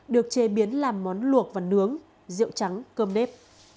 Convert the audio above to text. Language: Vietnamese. được chế biến làm món luộc và nướng rượu trắng cơm nếp